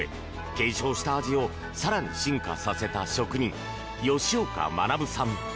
継承した味を更に進化させた職人吉岡学さん。